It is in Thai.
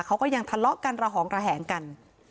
เขาก็ยังทะเลาะกันระหองระแหงกัน